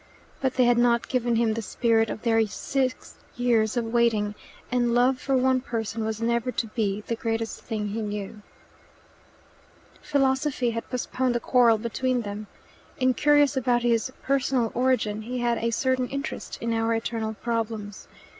But they had not given him the spirit of their sit years of waiting, and love for one person was never to be the greatest thing he knew. "Philosophy" had postponed the quarrel between them. Incurious about his personal origin, he had a certain interest in our eternal problems.